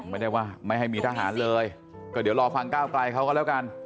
ไม่ได้ว่าไม่ให้มีทหารเลยก็เดี๋ยวรอฟังก้าวไกลเขาก็แล้วกัน